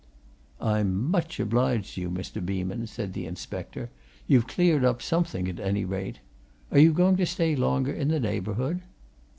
"I'm much obliged to you, Mr. Beeman," said the inspector. "You've cleared up something, at any rate. Are you going to stay longer in the neighbourhood?"